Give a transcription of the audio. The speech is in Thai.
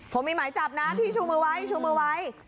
ผมมีหมายจับนะพี่ชูมือไว้ชูมือไว้